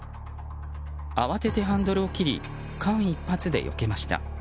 慌ててハンドルを切り間一髪でよけました。